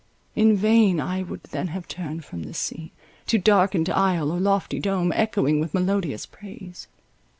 In vain I would then have turned from this scene, to darkened aisle or lofty dome, echoing with melodious praise.